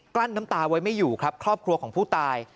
ลั้นน้ำตาไว้ไม่อยู่ครับครอบครัวของผู้ตาย